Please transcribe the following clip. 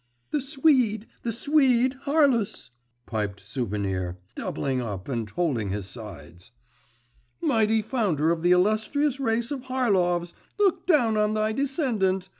'The Swede! The Swede, Harlus!' piped Souvenir, doubling up and holding his sides. 'Mighty founder of the illustrious race of Harlovs, look down on thy descendant!